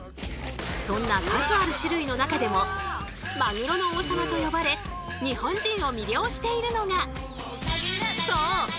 そんな数ある種類の中でもマグロの王様と呼ばれ日本人を魅了しているのがそう！